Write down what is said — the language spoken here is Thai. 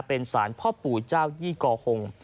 เป็นสารพ่อปู่เจ้ายี่กอหง